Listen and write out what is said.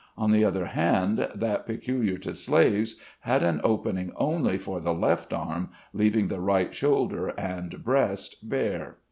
On the other hand, that peculiar to slaves had an opening only for the left arm, leaving the right shoulder and breast bare.